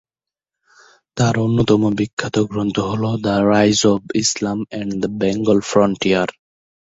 তাঁর অন্যতম বিখ্যাত গ্রন্থ হল "the rise of Islam and the Bengal frontier".